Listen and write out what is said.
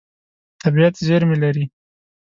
طبیعت زېرمې لري.